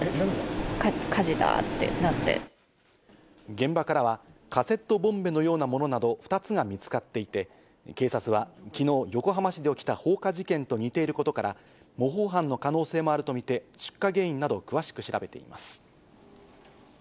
現場からはカセットボンベのようなものなど２つが見つかっていて、警察は昨日、横浜市で起きた放火事件と似ていることから模倣犯の可能性もあるとみて出火原因など詳しく調べています。